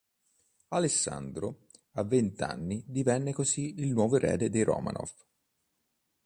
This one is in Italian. Alessandro a vent'anni divenne così il nuovo erede dei Romanov.